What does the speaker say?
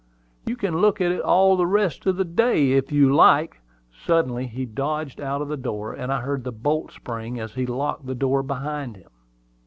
"You can look at it all the rest of the day, if you like." Suddenly he dodged out of the door, and I heard the bolt spring as he locked the door behind him.